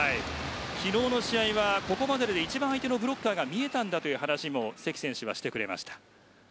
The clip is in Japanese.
昨日の試合はここまでで一番相手のブロッカーが見えたんだという話も関選手はしてくれました。